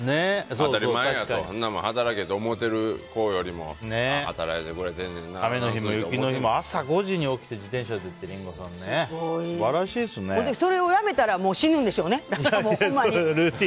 当たり前や、そんなの働けって思うてる子よりも雨の日も雪の日も朝５時に起きて自転車でってリンゴさんね。それをやめたら死ぬんでしょうね、ほんまに。